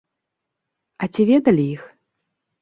А ці ведалі іх?